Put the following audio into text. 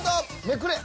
めくれ。